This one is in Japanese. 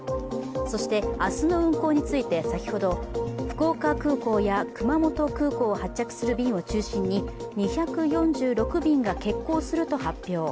そして明日の運航について先ほど、福岡空港や熊本空港を発着する便を中心に２４６便が欠航すると発表。